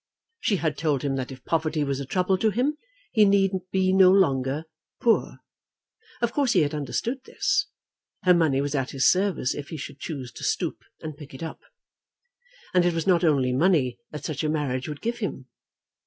She had told him that if poverty was a trouble to him he need be no longer poor. Of course he had understood this. Her money was at his service if he should choose to stoop and pick it up. And it was not only money that such a marriage would give him.